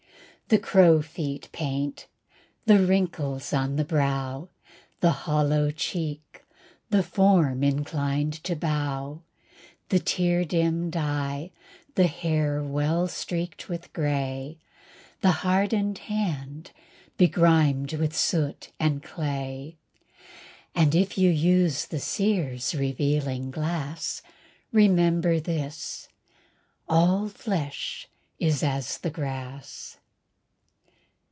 The crowfeet paint, the wrinkles on the brow, The hollow cheek, the form inclined to bow, The tear dim'd eye, the hair well streaked with gray, The hardened hand, begrim'd with soot and clay, And if you use the seer's revealing glass, Remember this, "_All flesh is as the grass.